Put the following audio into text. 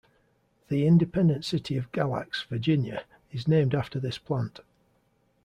The independent city of Galax, Virginia, is named after this plant.